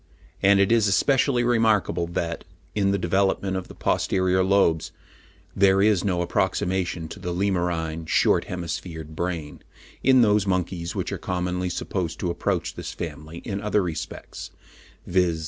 "And it is especially remarkable that, in the development of the posterior lobes, there is no approximation to the Lemurine, short hemisphered brain, in those monkeys which are commonly supposed to approach this family in other respects, viz.